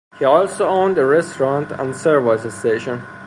He also owned a restaurant and service station.